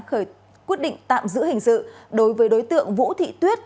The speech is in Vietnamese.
khởi quyết định tạm giữ hình sự đối với đối tượng vũ thị tuyết